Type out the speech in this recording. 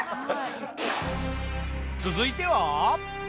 続いては。